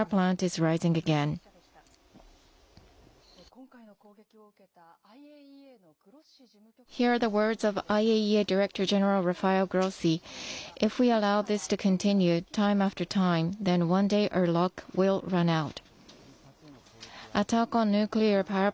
今回の攻撃を受けたＩＡＥＡのグロッシ事務局長の発言です。